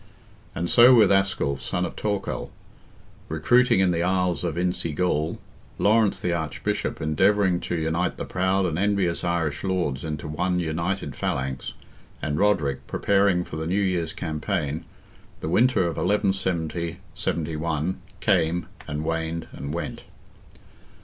And so with Asculph, son of Torcall, recruiting in the isles of Insi Gall, Lawrence, the Archbishop, endeavouring to unite the proud and envious Irish lords into one united phalanx, and Roderick, preparing for the new year's campaign, the winter of 1170 '71, came, and waned, and went.